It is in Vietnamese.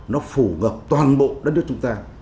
nó phù ngợp toàn bộ đất nước chúng ta